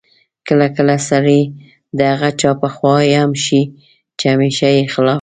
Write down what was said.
کله کله سړی د هغه چا په خوا هم شي چې همېشه یې خلاف